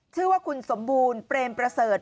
ชื่อว่าคุณสมบูรณ์เปรมประเสริฐ